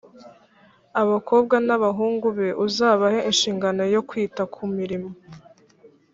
abakobwa n’abahungu be uzabahe inshingano yo kwita ku mirimo